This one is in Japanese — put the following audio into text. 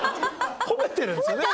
褒めてるんですよね？